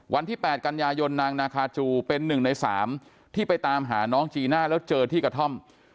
วันที่๘กันยายนนางนาคาจูเป็น๑ใน๓ที่ไปตามหาน้องจีน่าแล้วเจอที่กระท่อม